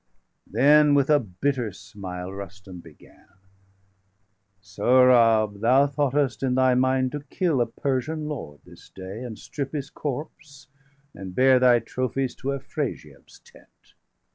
Then, with a bitter smile,° Rustum began: °527 "Sohrab, thou thoughtest in thy mind to kill A Persian lord this day, and strip his corpse, And bear thy trophies to Afrasiab's tent.